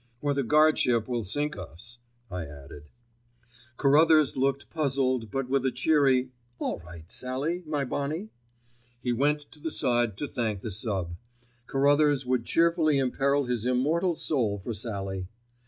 "Or the guardship will sink us," I added. Carruthers looked puzzled, but with a cheery, "all right, Sallie, my bonnie," he went to the side to thank the sub. Carruthers would cheerfully imperil his immortal soul for Sallie.